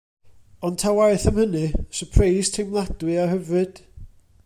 Ond ta waeth am hynny, syrpreis teimladwy a hyfryd.